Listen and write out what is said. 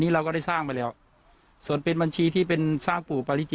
เราก็ได้สร้างไปแล้วส่วนเป็นบัญชีที่เป็นสร้างปู่ปาริจิ